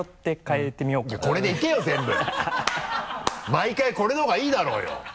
毎回これの方がいいだろうよ。